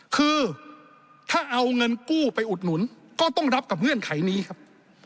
คือถ้าเอาเงินกู้ไปอุดหนุนก็ต้องรับกับเงื่อนไขนี้ครับ